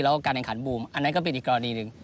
แล้วการแข่งขันบูมอันนั้นก็เป็นอีกกรณีหนึ่ง